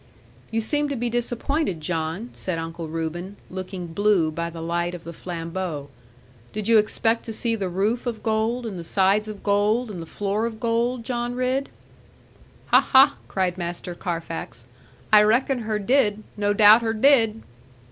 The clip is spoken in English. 'You seem to be disappointed, John,' said Uncle Reuben, looking blue by the light of the flambeaux; 'did you expect to see the roof of gold, and the sides of gold, and the floor of gold, John Ridd?' 'Ha, ha!' cried Master Carfax; 'I reckon her did; no doubt her did.'